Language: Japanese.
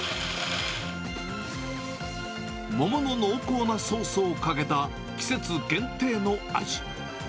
桃の濃厚なソースをかけた季節限定の味。